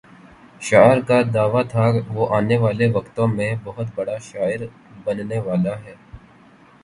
شعر کا دعویٰ تھا وہ آنے والے وقتوں میں بہت بڑا شاعر بننے والا ہے۔